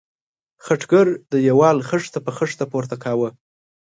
خټګر د دېوال خښته په خښته پورته کاوه.